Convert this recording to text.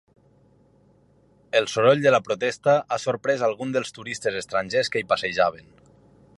El soroll de la protesta ha sorprès alguns dels turistes estrangers que hi passejaven.